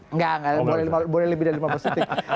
enggak boleh lebih dari lima belas detik